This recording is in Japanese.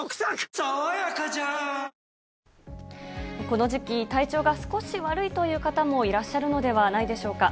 この時期、体調が少し悪いという方もいらっしゃるのではないでしょうか。